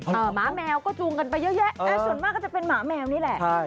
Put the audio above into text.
หมาแมวก็จูงกันไปเยอะแยะส่วนมากก็จะเป็นหมาแมวนี่แหละใช่